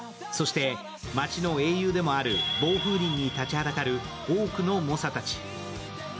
そして街の英雄でもあるボウフウリンに立ちはだかる多くの猛者たち。